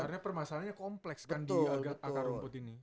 karena permasalahannya kompleks kan di akar rumput ini